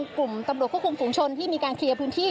กลุ่มตำรวจควบคุมฝุงชนที่มีการเคลียร์พื้นที่